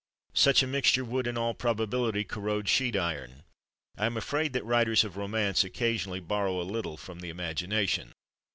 Such a mixture would, in all probability, corrode sheet iron. I am afraid that writers of romance occasionally borrow a little from imagination.